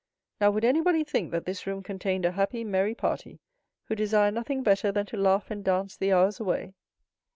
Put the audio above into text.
"Now, would anybody think that this room contained a happy, merry party, who desire nothing better than to laugh and dance the hours away?"